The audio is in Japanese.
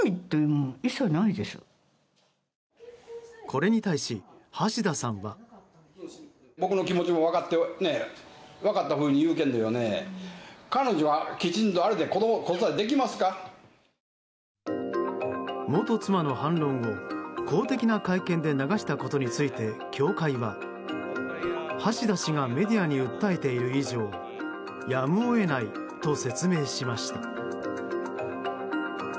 これに対し、橋田さんは。元妻の反論を公的な会見で流したことについて教会は、橋田氏がメディアに訴えている以上やむを得ないと説明しました。